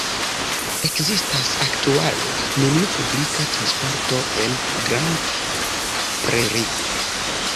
Ekzistas aktuale neniu publika transporto en Grand Prairie.